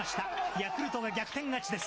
ヤクルトが逆転勝ちです。